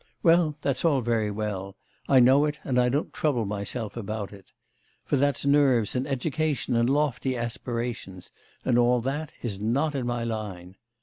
Well, that's all very well; I know it, and I don't trouble myself about it. For that's nerves and education and lofty aspirations, and all that is not in my line.